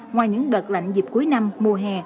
ngoài những đợt lạnh dịp cuối năm mùa hè